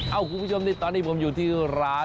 คุณผู้ชมนี่ตอนนี้ผมอยู่ที่ร้าน